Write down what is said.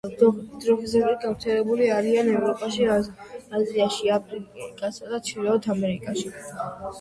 ძროხისებრნი გავრცელებული არიან ევროპაში, აზიაში, აფრიკასა და ჩრდილოეთ ამერიკაში.